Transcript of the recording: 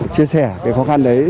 chia sẻ khó khăn đấy